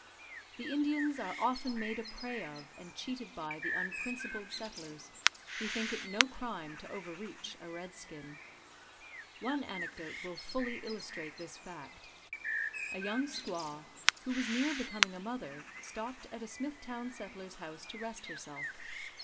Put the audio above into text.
The Indians are often made a prey of and cheated by the unprincipled settlers, who think it no crime to overreach a red skin. One anecdote will fully illustrate this fact. A young squaw, who was near becoming a mother, stopped at a Smith town settler's house to rest herself.